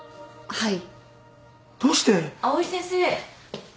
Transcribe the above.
はい。